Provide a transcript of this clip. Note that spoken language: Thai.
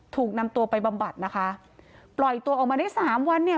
ถูกนำตัวไปบำบัดนะคะปล่อยตัวออกมาได้สามวันเนี่ย